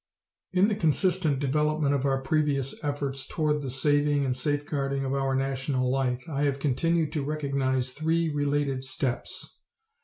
In the consistent development of our previous efforts toward the saving and safeguarding of our national life, I have continued to recognize three related steps.